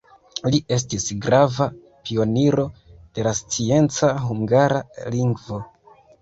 Li estis grava pioniro de la scienca hungara lingvo.